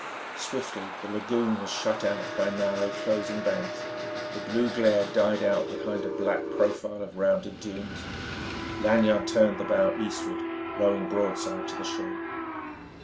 Swiftly the lagoon was shut out by narrow closing banks. The blue glare died out behind a black profile of rounded dunes. Lanyard turned the bow eastward, rowing broadside to the shore.